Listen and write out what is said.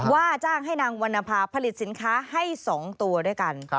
ว่าจ้างให้นางวรรณภาผลิตสินค้าให้๒ตัวด้วยกัน